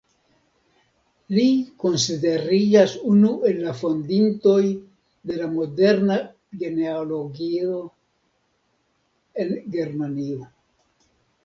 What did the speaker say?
Li konsideriĝas unu el la fondintoj de la moderna genealogio en Germanio.